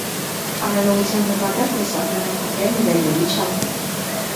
Արարողության նպատակն է սահմանափակել նվերների չափը։